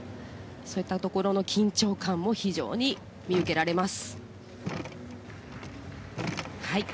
そういったところの緊張感も見受けられます。